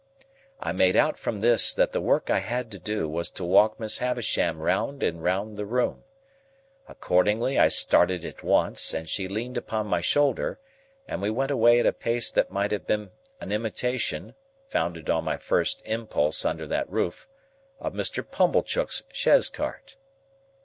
I made out from this, that the work I had to do, was to walk Miss Havisham round and round the room. Accordingly, I started at once, and she leaned upon my shoulder, and we went away at a pace that might have been an imitation (founded on my first impulse under that roof) of Mr. Pumblechook's chaise cart.